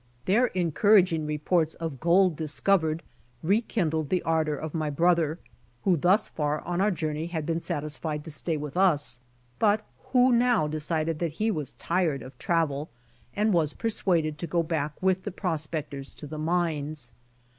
Their encouraging reports of gold discovered re kindled the ardor of my brother, who thus far on our journey had been satisfied to stay with us, but who now decided that he was tired of travel, and was persuaded to go back with the pros pectors to the mines.